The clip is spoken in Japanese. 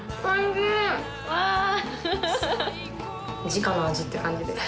時価の味って感じです。